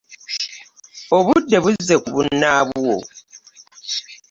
Obudde buzze ku bunaabwo.